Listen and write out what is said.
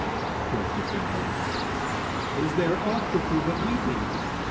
Quoth the Francolin, "Is there aught with you but weeping?"